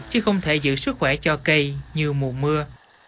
chứ không thể giữ sức khỏe cho cây như mùa mưa